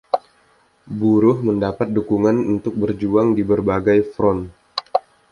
Buruh mendapat dukungan untuk berjuang di berbagai front.